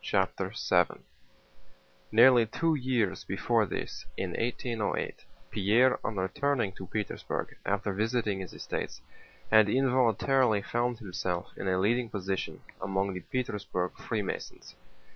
CHAPTER VII Nearly two years before this, in 1808, Pierre on returning to Petersburg after visiting his estates had involuntarily found himself in a leading position among the Petersburg Freemasons.